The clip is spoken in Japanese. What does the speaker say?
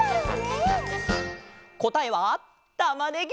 こたえはたまねぎ！